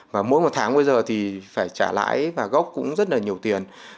và mỗi một tháng bây giờ thì phải trả lãi và gốc cũng rất là nhiều tiền